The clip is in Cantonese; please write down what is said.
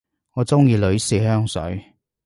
我鍾意女士香水